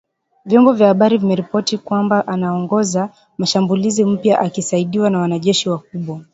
Vyombo vya habari vimeripoti kwamba anaongoza mashambulizi mapya akisaidiwa na wanajeshi wakubwa